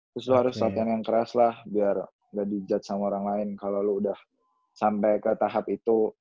terus lo harus latihan yang keras lah biar gak di judge sama orang lain kalau lo udah sampai ke tahap itu